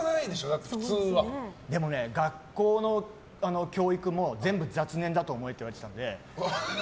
学校の教育も全部、雑念だと思えって言われてたので。